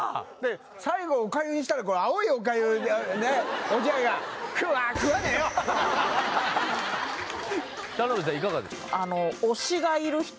最後おかゆにしたら青いおかゆおじやが田辺さんいかがですか？